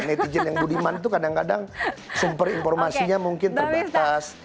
netizen yang budiman itu kadang kadang sumber informasinya mungkin terbatas